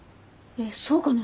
えっそうかな？